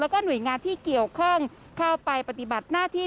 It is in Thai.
แล้วก็หน่วยงานที่เกี่ยวข้องเข้าไปปฏิบัติหน้าที่